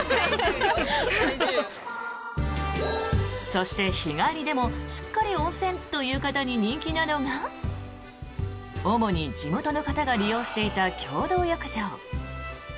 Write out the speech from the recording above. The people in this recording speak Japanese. そして日帰りでもしっかり温泉という方に人気なのが主に地元の方が利用していた共同浴場。